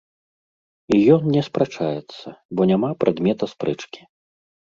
І ён не спрачаецца, бо няма прадмета спрэчкі.